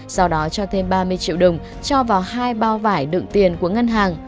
sau đó cho thêm ba mươi triệu đồng cho vào hai bao vải đựng tiền của ngân hàng